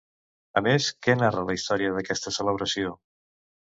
A més, què narra la història d'aquesta celebració?